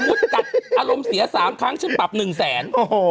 สมมุติกัดอารมณ์เสีย๓ครั้งฉันปรับหนึ่งแสน